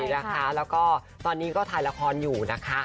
แล้วก็ตอนนี้ก็ถ่ายละครอยู่นะคะ